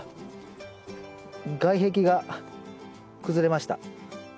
外壁が崩れました。